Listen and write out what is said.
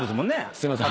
すいません。